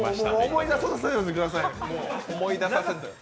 思い出させないでくださいよ。